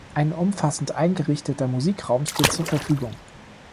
Ein umfassend eingerichteter Musikraum steht zur Verfügung.